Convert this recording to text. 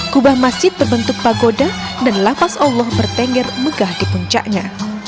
kubah masjid berbentuk pagoda dan lapas allah bertengger megah di puncaknya